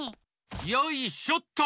よいしょっと。